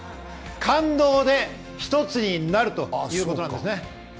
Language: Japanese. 感動で一つになるということなんですね。